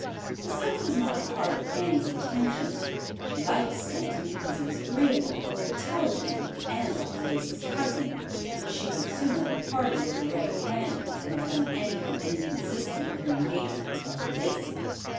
But such was not a part of Fanny's intentions. She liked Stanton because he was agreeable, intelligent and Dr. Lacey's cousin; but she would sooner have parted with her right hand than have done anything inconsistent with her engagement with Dr. Lacey.